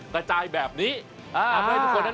กระจายแบบนี้ทำให้ทุกคนนั้น